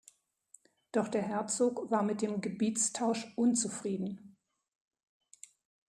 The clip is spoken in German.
Doch der Herzog war mit dem Gebietstausch unzufrieden.